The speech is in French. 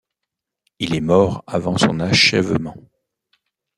Il est mort avant son achèvement.